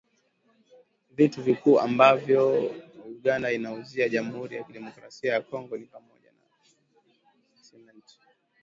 Vitu vikuu ambavyo Uganda inaiuzia Jamhuri ya Kidemokrasia ya Kongo ni pamoja na Simenti